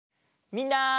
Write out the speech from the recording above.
みんな！